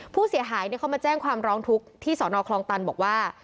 ผู้เสียหายเขามาแจ้งความร้องทุกข์ที่สอนอคลองตันบอกว่า